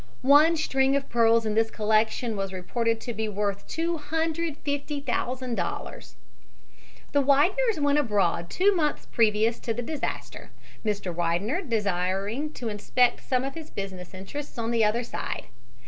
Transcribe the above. One string of pearls in this collection was reported to be worth $250,000. The Wideners went abroad two months previous to the disaster, Mr. Widener desiring to inspect some of his business interests on the other side.